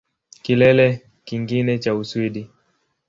Kilele kingine cha Uswidi